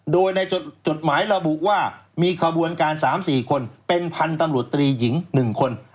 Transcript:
โดยในจดหมายระบุว่ามีขบวนการ๓๔คนเป็นพันธุ์ตำรวจตรีหญิง๑คน